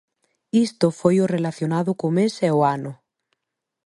Isto foi o relacionado co mes e o ano.